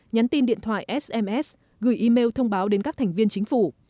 nhắn tin điện thoại sms gửi email thông báo đến các thành viên chính phủ